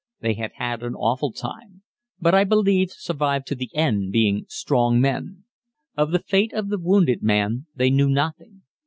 They had had an awful time, but I believe survived to the end, being strong men. Of the fate of the wounded man they knew nothing.